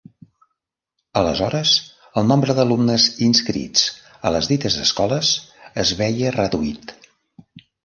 Aleshores, el nombre d'alumnes inscrits a les dites escoles, es veia reduït.